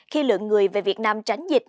khi lượng người về việt nam tránh dịch